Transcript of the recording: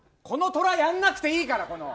この虎やらなくていいから！